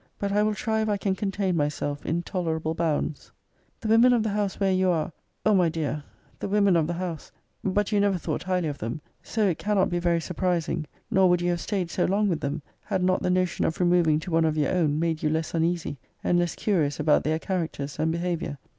But I will try if I can contain myself in tolerable bounds. The women of the house where you are O my dear, the women of the house but you never thought highly of them so it cannot be very sur >>> prising nor would you have staid so long with them, had not the notion of removing to one of your own, made you less uneasy, and less curious about their characters, and behaviour.